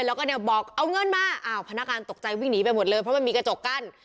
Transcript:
แล้วก็เนี่ยบอกเอาเงินมาอ้าวพนักงานตกใจวิ่งหนีไปหมดเลยเพราะมันมีกระจกกั้น